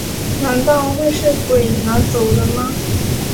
难道会是鬼拿走了吗